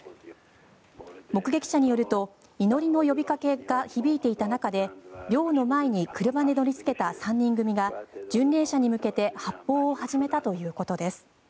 目撃者によると祈りの呼びかけが響いていた中で廟の前に車で乗りつけた３人組が巡礼者に向けて発砲を始めたということです。